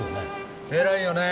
偉いよね。